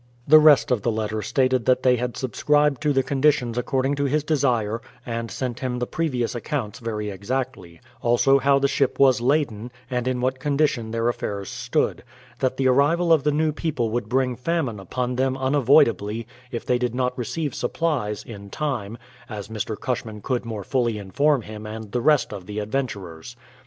The rest of the letter stated that they had subscribed to the conditions according to his desire, and sent him the previous accounts very exactly; also how the ship was laden, and in what condition their affairs stood; that the arrival of the new people would bring famine upon them un avoidably, if they did not receive supplies, in time, — as Mr. Cushman could more fully inform him and the rest of the adventurers.